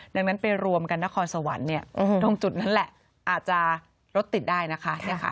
ดังนั้นไปรวมกันนครสวรรค์ตรงจุดนั้นแหละอาจจะรถติดได้นะคะ